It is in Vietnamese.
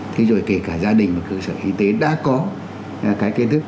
thế rồi kể cả gia đình và cơ sở y tế đã có cái kiến thức